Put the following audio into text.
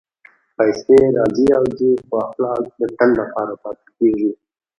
پېسې راځي او ځي، خو اخلاق د تل لپاره پاتې کېږي.